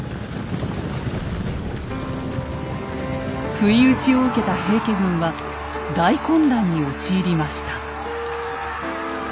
不意打ちを受けた平家軍は大混乱に陥りました。